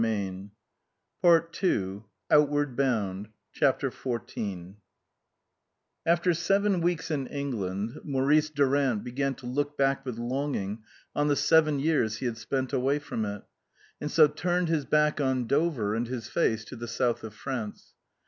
141 PART II OUTWARD BOUND CHAPTER XIV AFTER seven weeks in England, Maurice Durant began to look back with longing on the seven years he had spent away from it, and so turned his back on Dover and his face to the South of France.